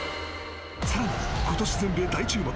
さらに今年全米大注目。